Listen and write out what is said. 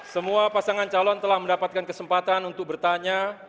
semua pasangan calon telah mendapatkan kesempatan untuk bertanya